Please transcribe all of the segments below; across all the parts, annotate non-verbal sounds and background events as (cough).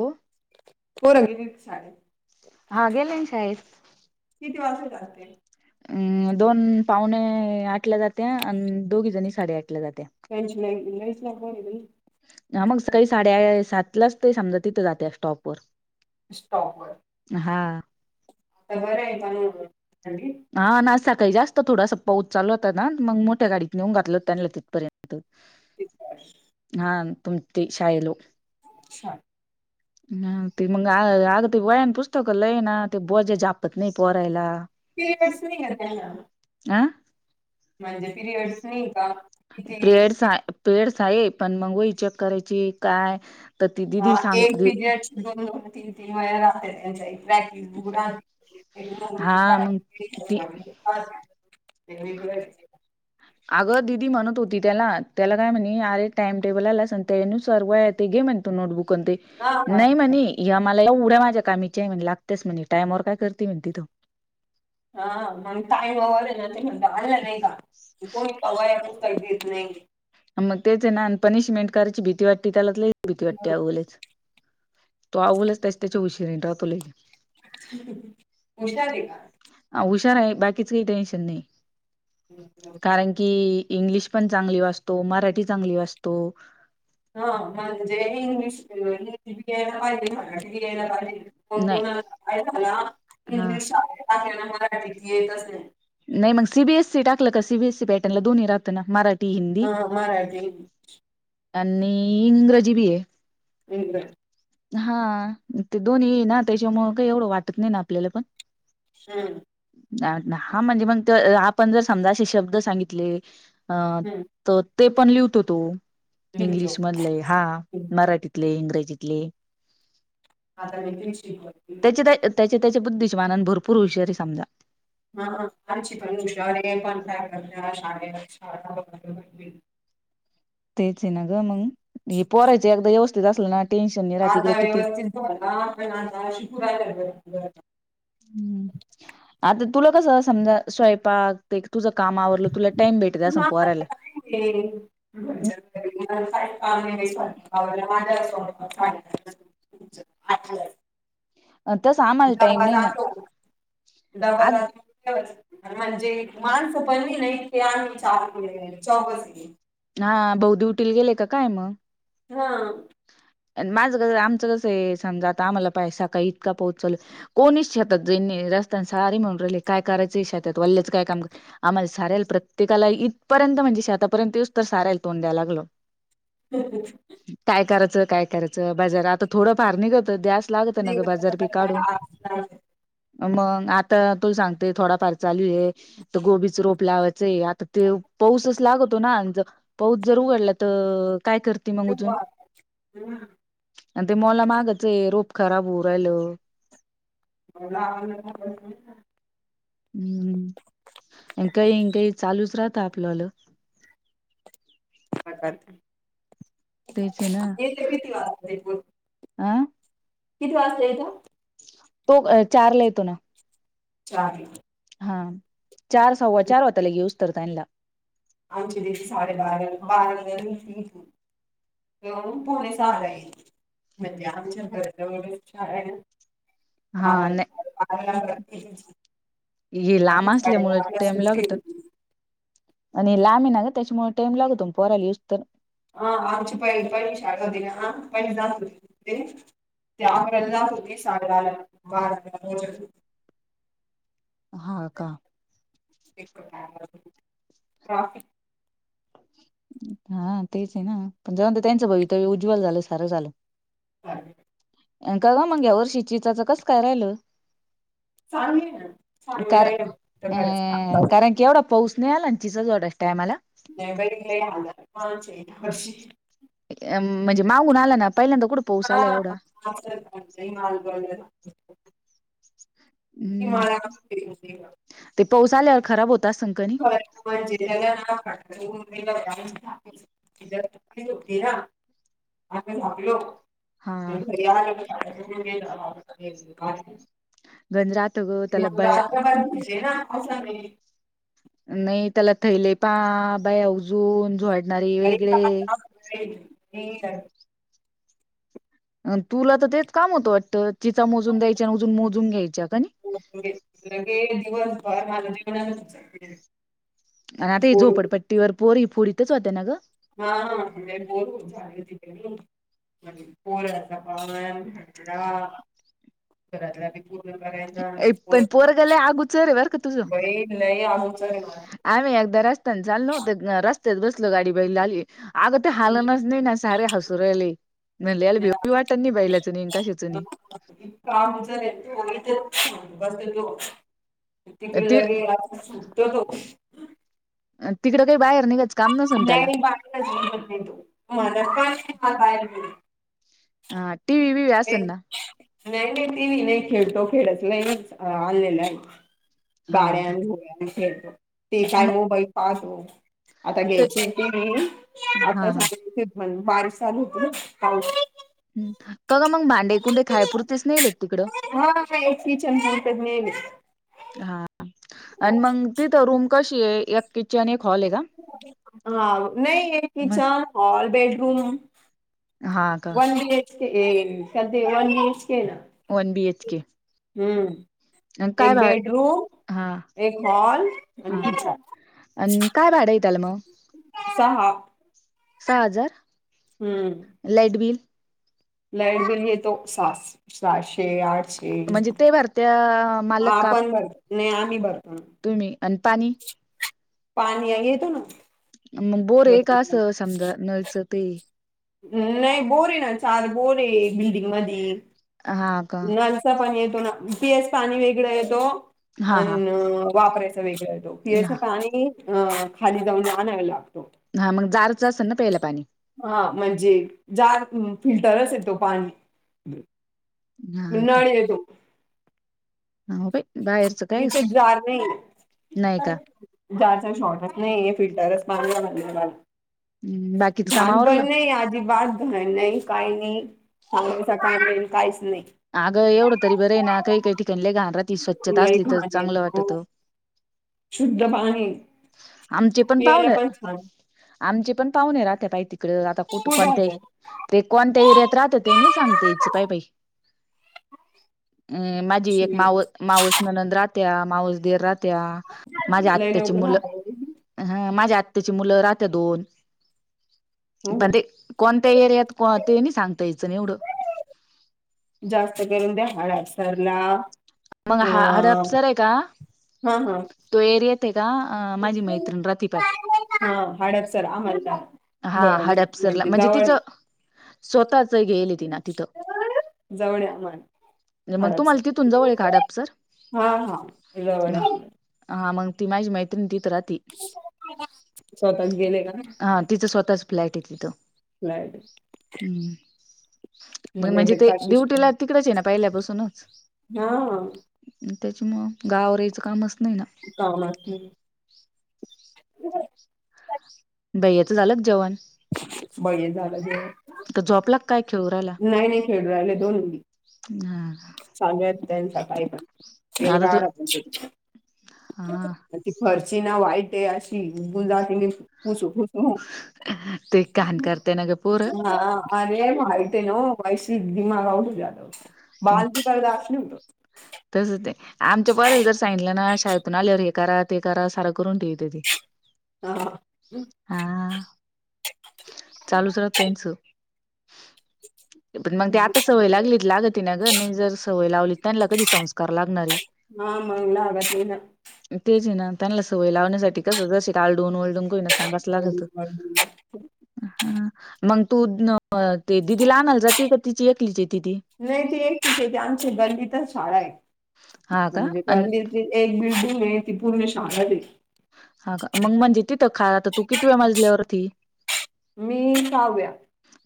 हो होरही साडे. हा गेले शायद किती वासू राहते अम दोन पाहुणे आठला जाते आणि दोघी जणी साडेआठ ला जाते. त्यांच नाही नाहीचला हा मग स काही साडे सात लाच ते समजा तिथं जाते स्टॉप वर. स्टॉपवर. हा. आता बर आहे पण हा ना सकाळी जास्त थोडासा पाऊस चालू होता ना मग मोठ्या गाडीत नेऊ घातलं हो त्यांना तिथपर्यंत त अच्छा हा तुम ती शायलो. अच्छा. (inaudible) ह ते मग अग ते वयान पुस्तक लय ना ते बॉजे झापत नाही पोरायला पीरीयडस नाही का त्यांना. आं. म्हणजे पिरिअडस नाही का? किती पीरियडस हा पिरियड आहे पण मग वई चेक करायची काय तर ती हा दिदी सांग एक दि- पिरियाड दोन तीन तीन वज लाहते त्यांच्या बॅग बॅगी उघडा हा मग ती (unintelligible) (unintelligible) अगं दिदी म्हणत होती त्याला त्याला काय म्हणे अरे टाइम टेबल आला स त्यान सर्व आहेत घे म्हणतो नोटबुक आणि ते हा हा नाही म्हणे या मला या उड्या माझ्या कामीच्या आहे म्हणे लागतेच म्हणे टाइमवर काय करते म्हण तिथं. हा मग काय वर न म्हणत अल्लं नाही का. त कोणी पावाया ख काही देत नाही मग तेच आहे ना आणि पनिशमेंट कराची भीती वाटते त्याला लची भीती वाटते अवो लईच तो आवलच त्याच त्याच्या उशीरे राहतो लई. मुशाली का. ह हुशार आहे बाकीच काही टेन्शन नाही का कारण कि इंग्लिश पण चांगली वाचतो मराठी चांगली वातो हा म्हणजे इंग्लिश इंग्लिश बि घयला पाहिजे मराठी बी यायला पाहिजे. पण नाही कोणाकाला हा इंग्लिशल्या मराठीत येतच नाही. नाही मग सी बी एस सी टाकलं का सी बी एस सी पॅटर्नला दोन्ही राहतना मराठी हिंदी हा हा ते. आणि इंग्रजी बी आहे. (unintelligible) हा ते दोन्ही ना त्याच्यामुळ का एवढं वाटत नाही ना आपल्याला पण हम्म. नाही वाट ना हा म्हणजे मग आपण जर समजा असे शब्द सांगितले अं हम्म त ते पण लिहतो तो लिहितो इंग्लिशमधले हा मराठीतले इंग्रजीतले. आता (unintelligible) त्या त्याच्या बुद्धीचे मानान भरपूर हुशार ये समजा. हा आमची पण हुशार पण का कर शाळे (unintelligible) तेच आहे ना ग मग हे पोरायचं एकदा व्यवस्थित असलं ना टेन्शन नाही राहात ईकडे आता किती (unintelligible) हम्म आता तुला कस समजा स्वयंपाक ते तुझं काम आवरलं तुला टाइम भेटत असन पोराला हम्म. (unintelligible) अं, तसं आम्हाला टाइम नाही ना आ डबा (unintelligible) म्हणजे माणसं पण नाही ना ईतके आम्ही चा (unintelligible) हा बहु ड्युटीला गेले का काय मग. हा. माझं कसं आमचं कसं आहे समजा आता आम्हाला पैसा का इतका पाऊस चालु कोणी शात ज रस्त्याना सारीे म्हणून राहिले काय करायच शातात वल्ल्याचं काय काम आम्हाला सारायला प्रत्येकाला इथपर्यंत म्हणजे शेतापर्यंतच तर सारायला तोंड द्याय लागल. (unintelligible) काय करायचं काय करायचं बाजार आता थोडं फार निघतं दॅस लागत ना नाही ग? करायचं बाजार बी तर काय, काढून. आज नाही मग आता तू सांगते, थोडाफार चालू आहे. तर गोबीच रोप लावायचंय. आता ते पाऊसच लागतो ना.. ! पाऊस जर उघडला. तर काय करते, मग अजून तेव्हा आणि ते मला मागचय, रोप खराब होऊ राहिलं. (inaudible) हम् काही काही चालूच, राहत आपल्याल तेच आहे ना किती वाजत. हा किती वाजलेत. तो चारला येतो ना. चारी हा चार सव्वा चार, वा तल यऊज तरतायल. आचे दे सा ब ब. येवून पोलीस येईल. म्हणजे आमच्या घरच्यावर शाळ आहे. हा नाही ह वत हे लांब असल्यामुळ टाम लागत. होती. आणि लांबी ना का त्याच्यामुळे, टाईम लागत तो पोराला यज तर. हा आमची पहि पहि शाळा, होती ना हा पहिणी जा होते ते. त्या वला होते. शाळाला बारला हा का. फिक. हा तेच आहे ना पण जाऊन तर त्यांचं, भवितव्य उज्ज्वल झालं सारं झालं. ह का ग मग या वर्षीचाच, कसं काय राहिलं. चांगली आहे ना चांगली कर राहील तर खरंच अम कारण के एवढा. पाऊस नाही या लंचीचा, ऑर्डर टायमाला. नाहीबर हजार वर्ष. म्हणजे मागून, आला ना पहिल्यांदा कुठं पाऊस आला एवढा हाल ब. हम्म हमारा ते पाऊस आल्यावर खराब होता संक. म्हणजे त्याला. ती ना आ म म्हटलो. (inaudible) हा गंज राहत ग त्याला बाया रात्र बाहे घज ना पावसाने. नाही त्याला थैले पा बाय, अवजून झडणारी वेगळे. (unintelligible) (inaudible) तुला तर तेच काम होतं वाटतं, चिचा मोजून द्यायच्या आणि अजून मोजून घ्यायच्या का. होे दिवसभर, माझ जेवनान तुचं. आणि आता झोपडपट्टीवर, पोर फूड इथच होतं ना गं. हा बोलू जाले प. पर घरातल्या. कराय पण पोरगं लय अगोचर आहे बर का तुझं बई नाही आहच र मला. आम्ही एकदा रस्त्याने चालो होत, रस्त्याच बसलो गाडी बा लाली. आगत हाल नच नाही ना सारी हसुरली नाही लला बेऊ वाटत नाही बाहिलाचं कशाचं नाही कामचलेथ बसो ति तिकडेलागे प्र तिकडं काही बाहेर निघाच नाही बाहेरत नाही तो मला का बाहेर गे. हा टी वि वि व्यासना. नाही नाही ती मी नाही खेळतो खेळतलाय आणलेलं आहे. हा गाड्या का घोड्यान खेळतो. ते काय मग मोबाईल पाहतो. आता ते घ्यायचीती मी हा आता हा सगण बारीश चालू होती ना. पाऊस. हम्म. काग मग भांडे कुंडे खायपुरतेच नेयले का तिकडं? हा य कीचन बंतात नेमले. (unintelligible) हा. आणि मग तिथ रूम कशी आहे? एक किचन एक हॉल आहे ना? हा नाही मग किचन, हॉल, बेडरूम. हा का वन बी एच के, कधी वन बीएच के ना. One B H K. हम्म. आणि काय एक भा बेडरूम, हा एक हॉल आणि किचन. अन काय भाडंये त्याला मग. सहा. सहा हजार. हम्म. Light bill. लाईट बील यतो. साह सहाशे आठ म्हणजे ते भरत्या मालक का आपण बर नाही आम्ही भरतो. तुम्ही आणि पाणी पाणी आहे हेतो ना मग बोर आहे का भरपूर असं समजा नळचं ते. अम्म नाही बोरे ना. चार बोरे बिल्डिंग मधी. हा का? पाणी येतो ना. पीयास पाणी वेगळं येतो. अ हा हा वापरायचं वेगळं येत. पियाच हा पाणी अ खाली जाऊन आणाव लागतो. हा मग गारच असेल ना प्यायला पाणी. हा म्हणजे जा फिल्टरच आहे तो पाणी. हा उनाळा येतो. हाव बाई. बाहेरचं मी काय ते (unintelligible) नाही का जाचा शॉर्टच नाही. फिल्टरच पाणी (unintelligible) हम्म, बाकीच काम आवरलं घानपण नाही आजीबात. नाही काही नाही सांगच (inaudible) कायल काहीच नाही. अगं एवढं तरी बरंय ना. काही काही ठिकाणी लई घान राहती. स्वच्छता लय असली तर घाण चांगलं वाटत. येतो शुद्ध पाणी. आमचे पियला पाहुणे पण छान. आमचे पण पाहुणे राहते पाय तिकडे. आता कुठ फुल कोणतही राहतं. ते कोण्या एरियात राहता. ते नाही सांगता यायचं पाय बाई. अ माझी एक शी मावस मावस ननंद राहते माऊस त्या माझ्या लय आत्याची लवकर मुलं. राहतं. हा माझ्या आत्ताची मुलं राहते दोन. पण ह ते कोणत्या एरियात को ते नाही सांगतायचं ना एवढं. जास्त करून त्या हडप सरला मग हा हडपसर आहे का? हा हा तो एअर येते का अ माझी मैत्रिण रहती पाय. हा हाडप सर आमता (inaudible) हा हडपसरला. म्हणजे तिचं स्वतःच घेयेले तिना तिथं. जवळ आहे आम्हाला मग तु हडपसर मला तिथून जवळ काडप सर हा हा जवळ ह आहे हा मग ती माझी मैत्रीण तीथ राह ती स्वतःच गेले का हा तिचं स्वतःच फ्लॅट आहे तिथं फ्लॅट मग म्हणजे ते ड्युटीला तिकडच आहे ना पहिल्यापासूनच. हा त्याची मग गावरायचं कामच नाही ना. कावना. भैयाच झालं जेवण. बळी झालं ते, का झोपला का काय खेळू राहिला? नाही नाही खेळू राहिले दोन्ही. हा. सांगेत त्यांचा काही आता तो येणार. हा ती फरची ना वाईट आहे अशी गुलादी पुसू पुसू. ह. हा. अरे माहिती आहे नव माय शेती मागाय उठत्यात बाल तुका दाखिवलं. तस ते आमच्या बद्दल जर सांगितलं ना शाळेतून आल्यावर हे करा ते करा सारं करून ठेवते ती. ह ह ह. हा. चालूच त्यांचं. पण मग ते आता सवय लागली लागती ना ग. नाही जर सवय लावली त्यांना कधी संस्कार लागणारे. ह मग लागत नाही ना. तेच आहे ना त्यांला सवय लावण्यासाठी कस जशी का आलडून वळडून को ना सांगायचं लागत ऑर्डर ऑर्डर. हा मग तू ते दिदीला आणयला जाते का तिची येते तिचीती नाही ते एकच आमची गल्लीतच शाळा आहे हा का म्हणजे अन गल्लीतली एक बिल्डिंग आहे ती पूर्ण शांततेय. हा का मग म्हणजे तिथ खा तर तू कितव्या मजल्यावरती. मी साव्या.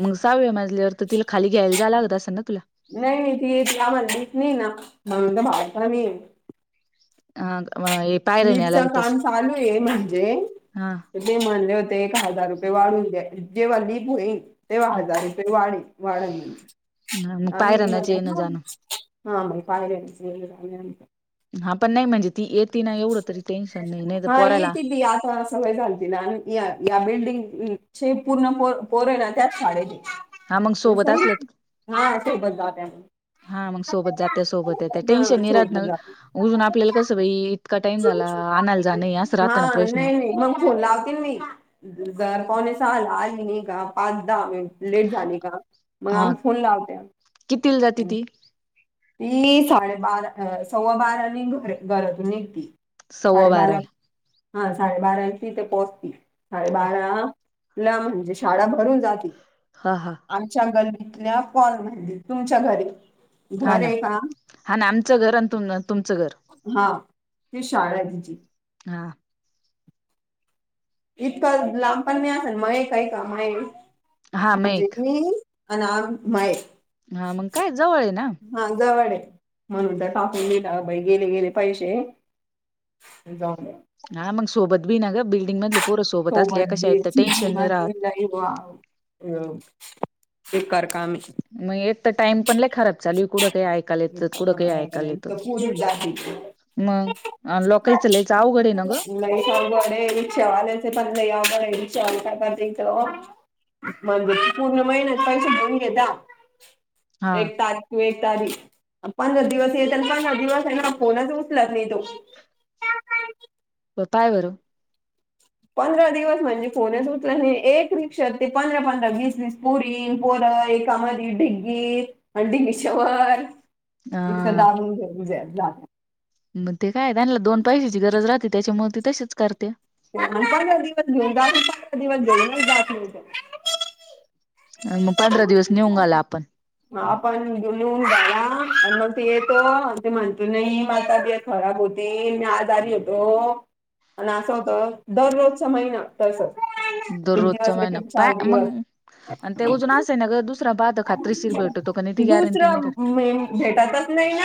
मग सहाव्या मजल्यावर तर तिला खाली घ्यायला जायला लागत असेल ना तिला. नाही नाही ती येत जा म्हणती नाही ना, म्हणून तर भावतर नाही. हाक मा एक. लिपचं काम चालू आहे म्हणजे हा. ते म्हणले होते एक हजार रुपये वाढून घ्या जेव्हा लीप होईन. तेव्हा हजार रुपये वाढी, वाढली हा मग आम्ही पायऱ्यानच म्हणजेच येणं ना. जाणं हां बाई पाहिलंचेय. हा पण नाही म्हणजे ती येते ना एवढं तरी टेन्शन नाही नाही तर पोराला. लिही आता. सवय झालतीना आणि या या बिल्डिंगचे पूर्ण पोर पोर हाय ना त्याच शाळेतेय. हा मग सोबत हंसावली असलं हा सही बात बाब्या. हा मग सोबत जात्या सोबत येत्या टेन्शन नाही ना सोबत राहत जात्या उजून आपल्याला कसं बई हा ना प्रश्न नाही नाही मग फोन लावती मी. दर पावणेसाल आली नाही का पाच दहा मिनिट. लेट झाली का, मग हा आम्ही फोन लावत्या. कितीला जाते ती ती साडेबारा, सव्वा बारा आणि घर घरातून एक ती सव्वा साडेबारा. बाराला हा साडे बारा इची ते पोहचती साडेबारा. ला म्हणजे शाळा भरून जातील. हा हा. आमच्या गल्लीतल्या कॉल म्हणजे तुमच्या घरी, घर हा ना आहे का. हा आमचं घर आणि तु तुमचं घर. हा ती शाळा दिची. हा. इतकं लांबपण नाही असेल मय, काय काम आहे हा मग म्हणजे एक ती. अनाममय. हा मग काय जवळ आहे ना. हा जवळ आहे म्हणून तर टाकून दिला बाई गेले गेले पैसे. मी जाऊन हा मग सोबत बी ना ग बिल्डिंग मधले परं सोबत असले कशा आहेत टेन्शन नाही राह हे वाव अ एक कर काम आहे. मग एक तर टाइम पण लइ खातात. चालू कुठं काही ऐकायला येत कुठं काही ऐकायला येत. इतकं पोरीच जाती मग लोकाच लयचं अवघड आहे ना गं नाही सब वाले रिक्षावाल्याचे पण लय अवघड आहे. रिक्षावाले आता तिथं मंदिर पूर्ण महिन्यात पैसे होऊन घेता हा एक तार तू एक तारीख पंधरा दिवस ये पंधरा दिवस आहे ना फोनच उचलत नाही तो तो ताय बर पंधरा दिवस म्हणजे फोनेच उचलत नाही एक रिक्षा ते पंधरा पंधरा वीस वीस पुरी पोर एकामध्ये ढिग्गीर आणि डिशवर अ (unintelligible) मग ते काय त्यांला दोन पैशाची गरज राहते. त्याच्यामुळे ती तशीच करते. (unintelligible) मग पंधरा दिवस नेऊन आला आपण. मला पण घेऊण जाला आणि मग ते येतो आणि ते म्हणतो नाही माका देत. खराब होती म्या आजारी होतो आणि असं होतं दररोजचा महिना. तसच एक दिवस दररोजचा महिना लेकिन पा चार मग दिवस. आणि ते‌ ऊस जुना असेल नाग गुस. नाही राहत दुसरं मे भेटतच नाही ना